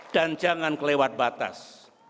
dan jangan kelewat batas